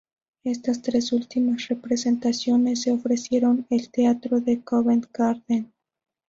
Estas tres últimas representaciones se ofrecieron el teatro del Covent Garden.